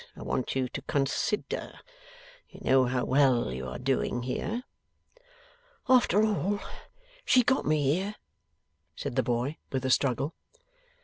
I want you to consider. You know how well you are doing here.' 'After all, she got me here,' said the boy, with a struggle.